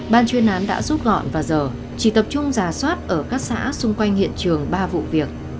ban chuyên án đã rút gọn và giờ chỉ tập trung giả soát ở các xã xung quanh hiện trường ba vụ việc